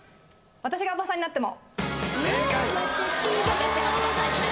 「私がオバさんになっても」